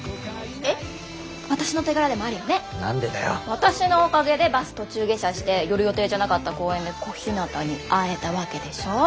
私のおかげでバス途中下車して寄る予定じゃなかった公園で小日向に会えたわけでしょ？